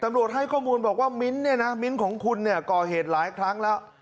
ให้ข้อมูลบอกว่ามิ้นท์เนี่ยนะมิ้นของคุณเนี่ยก่อเหตุหลายครั้งแล้ว